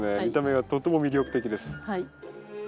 見た目がとっても魅力的です。